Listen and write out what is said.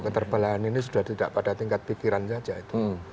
keterbelahan ini sudah tidak pada tingkat pikiran saja itu